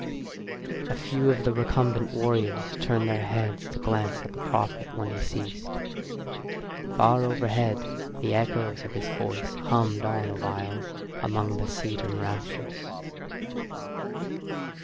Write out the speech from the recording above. A few of the recumbent warriors turned their heads to glance at the prophet when he ceased. Far overhead the echoes of his voice hummed on awhile among the cedarn rafters.